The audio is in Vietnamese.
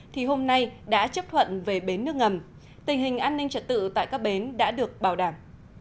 thì hôm nay đã chấp thuận về bến nước ngầm tình hình an ninh trật tự tại các bến đã được bảo đảm